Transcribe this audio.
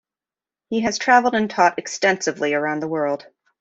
He has traveled and taught extensively around the world.